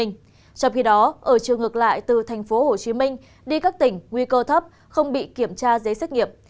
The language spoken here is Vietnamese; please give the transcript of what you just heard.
trong khi đó ở trường ngược lại từ tp hcm đi các tỉnh nguy cơ thấp không bị kiểm tra giấy xét nghiệm